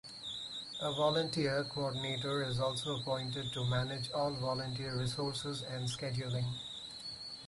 A volunteer coordinator is also appointed to manage all volunteer resources and scheduling.